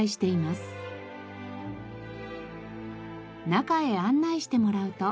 中へ案内してもらうと。